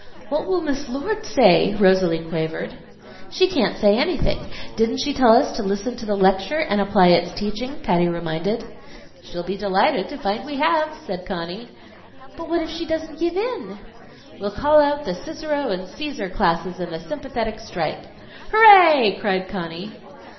"What will Miss Lord say?" Rosalie quavered. "She can't say anything. Didn't she tell us to listen to the lecture and apply its teaching?" Patty reminded. "She'll be delighted to find we have," said Conny. "But what if she doesn't give in?" "We'll call out the Cicero and Cæsar classes in a sympathetic strike." "Hooray!" cried Conny.